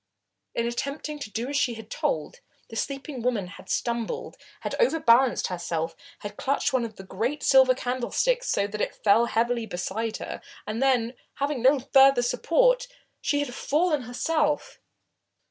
In attempting to do as she was told, the sleeping woman had stumbled, had overbalanced herself, had clutched one of the great silver candlesticks so that it fell heavily beside her, and then, having no further support, she had fallen herself.